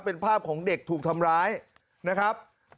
เป็นภาพของเด็กถูกทำร้ายนะครับ